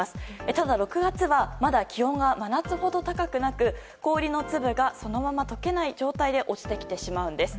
ただ６月はまだ気温が真夏ほど高くなく氷の粒がそのまま解けない状態で落ちてきてしまうんです。